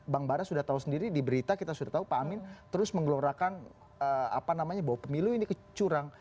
bang bara sudah tahu sendiri di berita kita sudah tahu pak amin terus menggelorakan bahwa pemilu ini kecurang